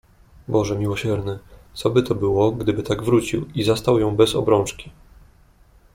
"Boże miłosierny, coby to było, gdyby tak wrócił i zastał ją bez obrączki!"